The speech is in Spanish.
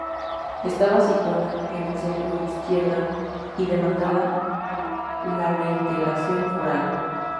Estaba situada en el centro-izquierda y demandaba la reintegración foral.